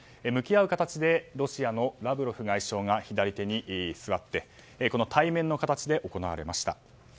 向き合う形でロシアのラブロフ外相が左手に座って対面の形で行われました。